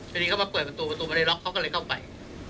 ทีนี้เขามาเปิดประตูประตูบันไดล็อกเขาก็เลยเข้าไป